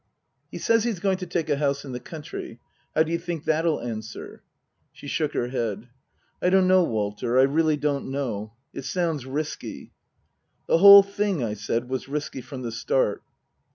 " He says he's going to take a house in the country. How do you think that'll answer ?" She shook her head. " I don't know, Walter. I don't really know. It sounds risky." " The whole thing," I said, " was risky from the start."